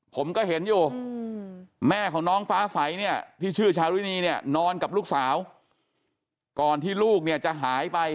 ผมก็เห็นอยู่แม่ของน้องฟ้าใสที่ชื่อชาลุ้นีนอนกับลูกสาวก่อนที่ลูกจะหายไป